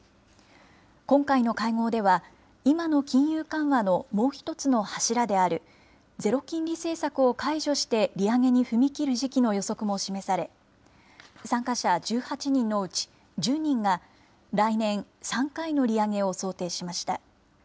今回の会合では、今の金融緩和のもう１つの柱であるゼロ金利政策を解除して利上げに踏み切る時期の予測も示され、参加者１８人のうち１０人が来年３回の利上げを想定しました。